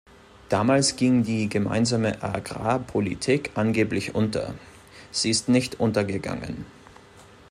Damals ging die Gemeinsame Agrarpolitik angeblich unter. Sie ist nicht untergegangen.